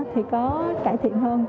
thì có cải thiện hơn